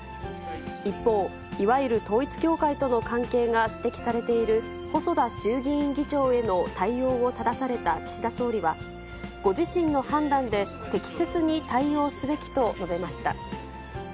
一方、いわゆる統一教会との関係が指摘されている細田衆議院議長への対応をただされた岸田総理は、ご自身の判断で適切に対応すべきと述べました。